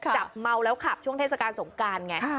เมาแล้วขับช่วงเทศกาลสงการไง